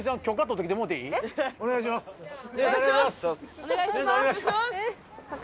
お願いします。